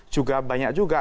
juga banyak juga